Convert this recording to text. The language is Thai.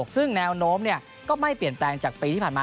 ซึ่งแนวโน้มก็ไม่เปลี่ยนแปลงจากปีที่ผ่านมา